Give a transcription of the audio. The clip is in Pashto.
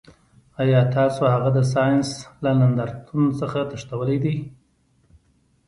ایا تاسو هغه د ساینس له نندارتون څخه تښتولی دی